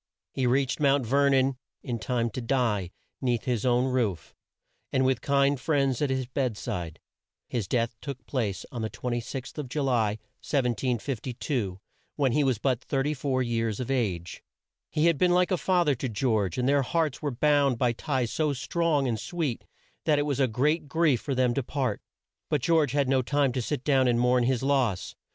He reached Mount Ver non in time to die 'neath his own roof, and with kind friends at his bed side. His death took place on the 26th of Ju ly, 1752, when he was but 34 years of age. He had been like a fa ther to George, and their hearts were bound by ties so strong and sweet that it was a great grief for them to part. But George had no time to sit down and mourn his loss.